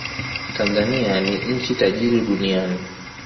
Tanzania ni nchi tajiri duniani